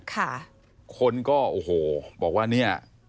คนก็โอ้โหบอกว่าเนี่ย